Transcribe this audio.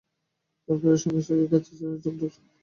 তার প্রায় সঙ্গে-সঙ্গেই কাঁচের চুড়ির টুং-টুং শব্দের মতো শব্দ।